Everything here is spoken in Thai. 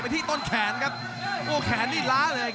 รับทราบบรรดาศักดิ์